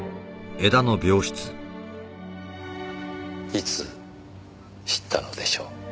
いつ知ったのでしょう？